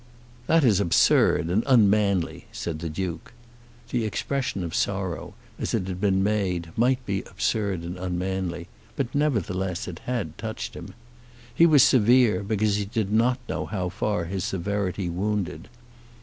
"That is absurd, and unmanly," said the Duke. The expression of sorrow, as it had been made, might be absurd and unmanly, but nevertheless it had touched him. He was severe because he did not know how far his severity wounded.